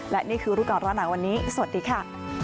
และนี่คือรูปก่อนร้อนหนาวันนี้สวัสดีค่ะ